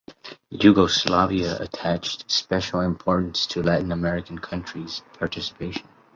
Yugoslavia attached special importance to Latin American countries participation.